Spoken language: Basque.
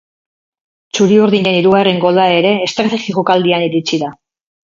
Txuri-urdinen hirugarren gola ere estrategi jokaldian iritsi da.